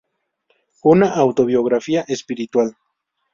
Una autobiografía espiritual.